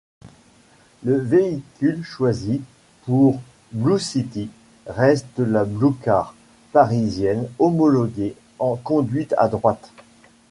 Le véhicule choisi pour Bluecity reste la Bluecar parisienne homologuée en conduite à droite.